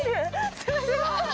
すごい！